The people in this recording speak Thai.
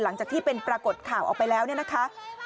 หลังจากที่เป็นปรากฏข่าวออกไปแล้วเนี่ยนะคะ